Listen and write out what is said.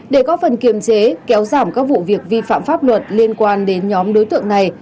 để có phần kiềm chế kéo giảm các vụ việc vi phạm pháp luật liên quan đến nhóm đối tượng này